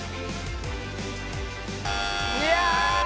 いや！